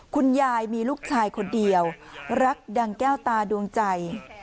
คุณยายมีลูกชายคนเดียวรักดังแก้วตาดวงใจ